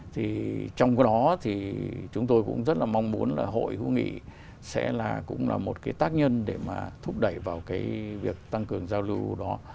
thì trong đó thì chúng tôi cũng rất là mong muốn là hội hữu nghị sẽ là cũng là một cái tác nhân để mà thúc đẩy vào cái việc tăng cường giao lưu đó